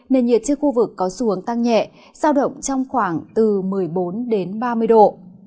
nền nhiệt trên khu vực có xu hướng tăng nhẹ giao động trong khoảng từ một mươi bốn đến ba mươi độ